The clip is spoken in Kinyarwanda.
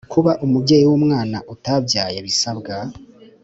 Kuba umubyeyi w umwana utabyaye bisabwa